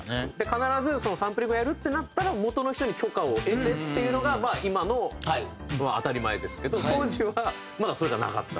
必ずサンプリングをやるってなったらもとの人に許可を得てっていうのがまあ今の当たり前ですけど当時はそうじゃなかった。